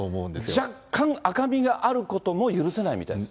若干赤みがあることも許せないみたいです。